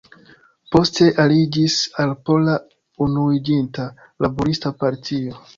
Poste aliĝis al Pola Unuiĝinta Laborista Partio.